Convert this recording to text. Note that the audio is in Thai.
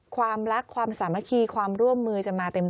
ความรักความสามัคคีความร่วมมือจะมาเต็ม